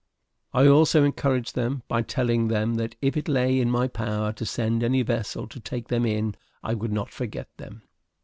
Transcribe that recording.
I also encouraged them, by telling them that if it lay in my power to send any vessel to take them in, I would not forget them.